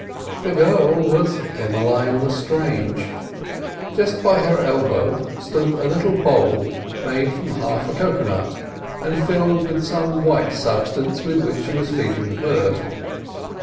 The girl was Emmeline Lestrange. Just by her elbow stood a little bowl made from half a cocoa nut, and filled with some white substance with which she was feeding the bird.